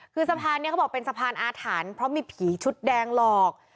คือสะพานนี้เขาบอกเป็นสะพานอาถรรพ์เพราะมีผีชุดแดงหลอก